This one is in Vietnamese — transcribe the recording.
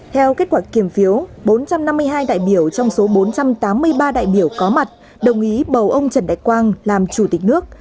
theo kết quả kiểm phiếu bốn trăm năm mươi hai đại biểu trong số bốn trăm tám mươi ba đại biểu có mặt đồng ý bầu ông trần đại quang làm chủ tịch nước